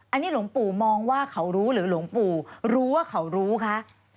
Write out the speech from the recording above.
อันนี้หลวงปู่มองว่าเขารู้หรือหลวงปู่รู้ว่าเขารู้คะ